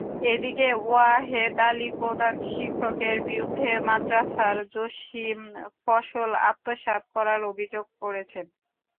এদিকে ওয়াহেদ আলী প্রধান শিক্ষকের বিরুদ্ধে মাদ্রাসার জমির ফসল আত্মসাৎ করার অভিযোগ করেছেন।